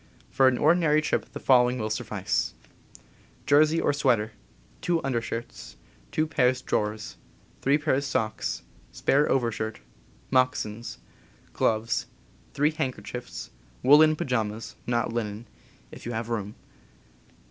For an ordinary trip the following will suffice: Jersey or sweater, two undershirts, two pairs drawers, three pairs socks, spare overshirt, moccasins, gloves, three handker chiefs, woolen pyjamas (not linen), if you have room.